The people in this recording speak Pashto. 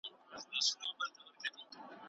بد انسان تل بې حوصله وي